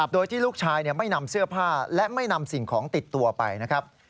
โดยที่ลูกชายไม่นำเสื้อผ้าและไม่นำสิ่งของติดตัวไปนะครับ